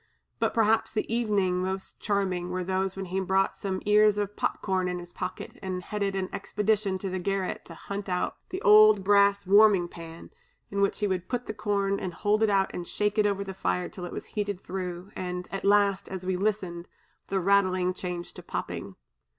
But perhaps the evenings most charming were those when he brought some ears of pop corn in his pocket and headed an expedition to the garret to hunt out the old brass warming pan; in which he would put the corn, and hold it out and shake it over the fire till it was heated through, and at last, as we listened, the rattling changed to popping.